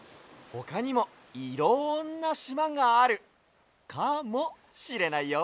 ほかにもいろんなしまがあるかもしれないよ。